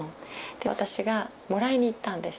で私がもらいに行ったんです。